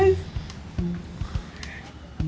iiih seru deh kita mas